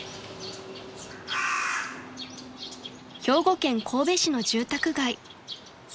［兵庫県神戸市の住宅街］